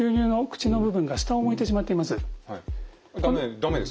駄目ですか。